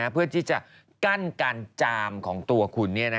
เพื่อที่จะกั้นการจามของตัวคุณ